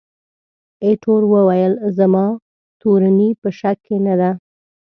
ایټور وویل، زما تورني په شک کې نه ده.